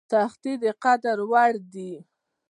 سختۍ د قدر وړ دي.